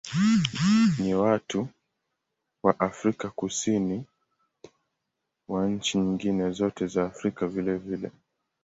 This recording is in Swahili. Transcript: Ni wa watu wa Afrika Kusini na wa nchi nyingine zote za Afrika vilevile.